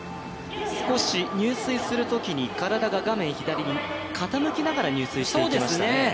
少し入水するときに、体が画面左側に傾きながら入水していきましたね。